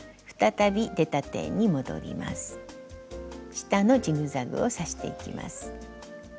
下のジグザグを刺していきます。